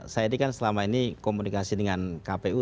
saya ini kan selama ini komunikasi dengan kpu